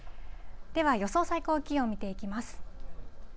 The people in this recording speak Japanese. では予想最高気温見ていきます。